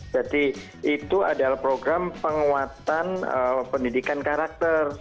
jadi itu adalah program penguatan pendidikan karakter